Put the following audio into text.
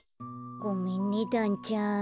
ごめんねだんちゃん。